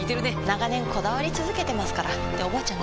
長年こだわり続けてますからっておばあちゃん